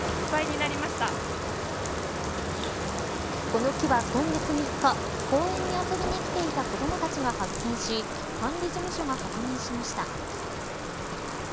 この木は今月３日、公園に遊びに来ていた子どもたちが発見し管理事務所が確認しました。